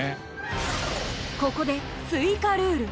ここで追加ルール。